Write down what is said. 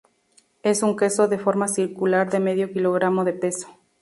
Es un queso de forma circular de medio kilogramo de peso.